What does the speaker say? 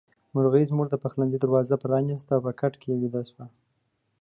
مرغۍ زموږ د پخلنځي دروازه پرانيسته او په کټ کې ويده شوه.